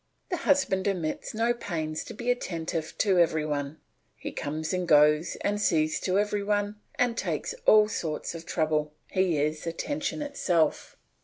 The husband omits no pains to be attentive to every one; he comes and goes and sees to every one and takes all sorts of trouble; he is attention itself.